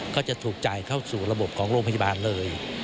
ก็จะถูกจ่ายเข้าสู่ระบบของโรงพยาบาลเลย